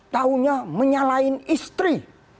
tahunya menyalahin istri